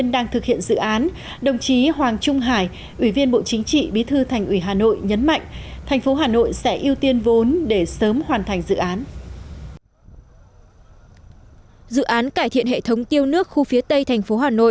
dự án cải thiện hệ thống tiêu nước khu phía tây thành phố hà nội